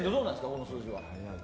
この数字は。